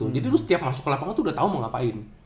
jadi lu setiap masuk ke lapangan tuh udah tahu mau ngapain